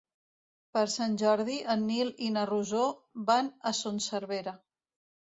Per Sant Jordi en Nil i na Rosó van a Son Servera.